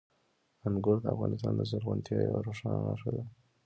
انګور د افغانستان د زرغونتیا یوه روښانه نښه ده.